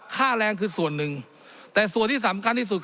ค่าแรงคือส่วนหนึ่งแต่ส่วนที่สำคัญที่สุด